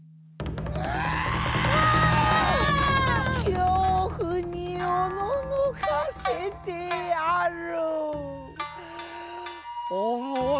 恐怖におののかせてやる。